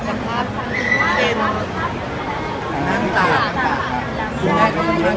แต่ก็หลายท่วดกัดสังหัวแล้วทำให้หลังจากบนงานทุกท่าน